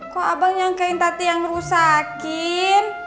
kok abang nyangkain tati yang rusakin